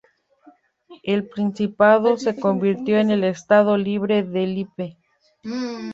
El Principado se convirtió en el Estado Libre de Lippe.